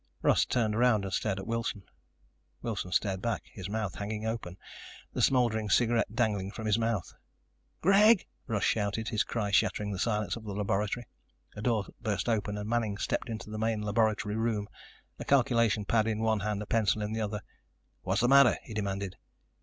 Russ turned around and stared at Wilson. Wilson stared back, his mouth hanging open, the smoldering, cigarette dangling from his mouth. "Greg!" Russ shouted, his cry shattering the silence in the laboratory. A door burst open and Manning stepped into the main laboratory room, a calculation pad in one hand, a pencil in the other. "What's the matter?" he demanded.